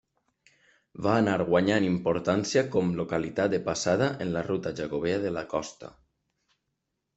Va anar guanyant importància com localitat de passada en la Ruta Jacobea de la costa.